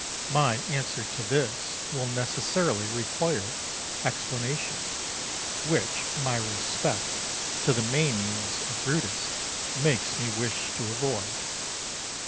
Atticus. My answer to this will necessarily require explanations, which my respect to the manes of Brutus makes me wish to avoid.